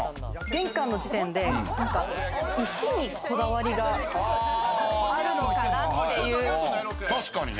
玄関の時点で石にこだわりがあるのかなという。